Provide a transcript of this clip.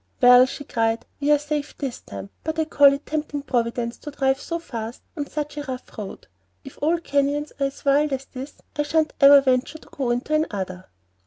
"Well," she cried, "we're safe this time; but I call it tempting Providence to drive so fast on such a rough road. If all canyons are as wild as this, I sha'n't ever venture to go into another."